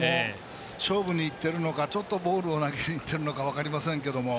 勝負にいってるのかちょっとボールを投げていってるのか分かりませんが。